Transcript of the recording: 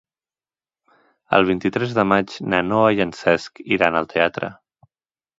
El vint-i-tres de maig na Noa i en Cesc iran al teatre.